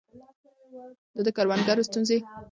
ده د کروندګرو ستونزې له نږدې ليدلې.